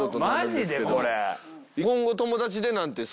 マジでこれ。